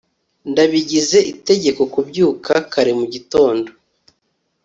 ndabigize itegeko kubyuka kare mugitondo